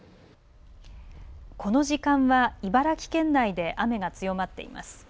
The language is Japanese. この時間は茨城県内で雨が強まっています。